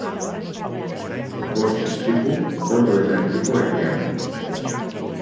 Bost istripu ordu eta erdiko epean.